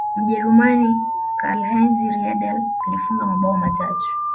mjerumani karlheinz riedle alifunga mabao matatu